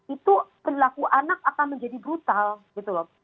itu perilaku anak akan menjadi brutal gitu loh